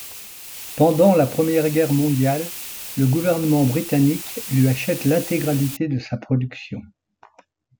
Pendant la Première Guerre mondiale, le gouvernement britannique lui achète l'intégralité de sa production.